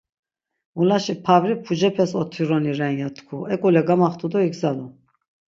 Mulaşi pavri pucepes otironi ren ya tkvu, ek̆ule gamaxtu do igzalu.